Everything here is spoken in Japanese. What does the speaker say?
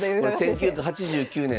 １９８９年